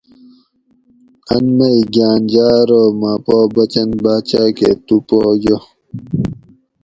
ان مئی گھاۤن جاۤ ارو مہ پا بچنت باچاۤ کہ تُو پا یہ